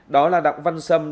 đó là đọc văn xâm